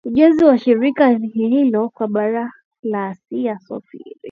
ugenzi wa shirika hilo kwa bara la asia sofie richardson